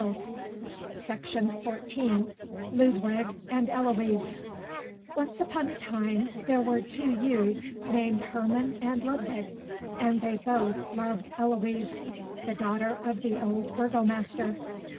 +LUDWIG AND ELOISE+ LUDWIG AND ELOISE Once upon a time there were two youths named Herman and Ludwig; and they both loved Eloise, the daughter of the old burgomaster.